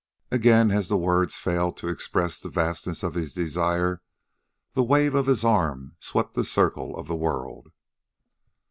Again, as words failed to express the vastness of his desire, the wave of his arm swept the circle of the world.